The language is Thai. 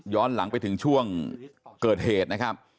หลังไปถึงช่วงเกิดเหตุนะครับ